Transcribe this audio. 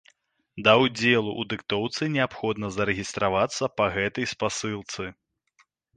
Для ўдзелу ў дыктоўцы неабходна зарэгістравацца па гэтай спасылцы.